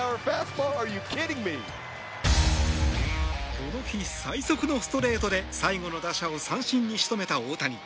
この日最速のストレートで最後の打者を三振に仕留めた大谷。